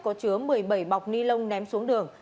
có chứa một mươi bảy bọc ni lông ném xuống đường